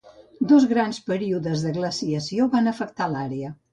Dos grans períodes de glaciació van afectar l'àrea.